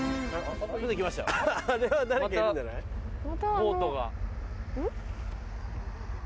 ボートが。